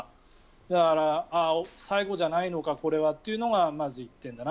だから、最後じゃないのかこれはっていうのがまず１点だな。